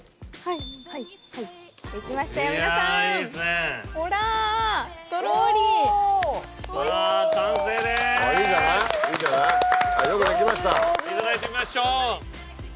いただいてみましょう。